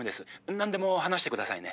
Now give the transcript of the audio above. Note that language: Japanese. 何でも話してくださいね」。